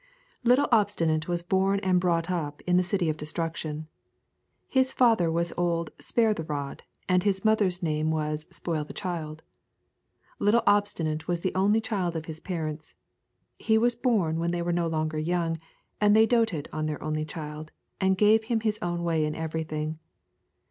Little Obstinate was born and brought up in the City of Destruction. His father was old Spare the Rod, and his mother's name was Spoil the Child. Little Obstinate was the only child of his parents; he was born when they were no longer young, and they doted on their only child, and gave him his own way in everything.